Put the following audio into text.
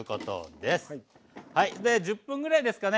で１０分ぐらいですかね。